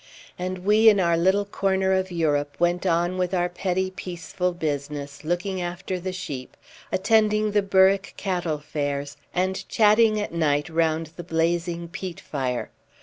And we in our little corner of Europe went on with our petty peaceful business, looking after the sheep, attending the Berwick cattle fairs, and chatting at night round the blazing peat fire.